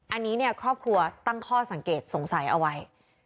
อันนี้เนี่ยครอบครัวตั้งข้อสังเกตสงสัยเอาไว้